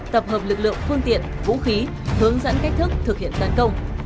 tập hợp lực lượng phương tiện vũ khí hướng dẫn cách thức thực hiện tấn công